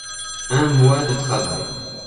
Un mois de travail.